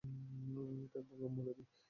তাই ভাবলাম বলে দিই।